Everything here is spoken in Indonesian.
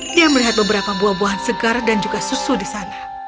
dia melihat beberapa buah buahan segar dan juga susu di sana